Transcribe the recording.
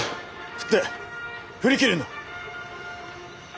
振って振り切るんだ。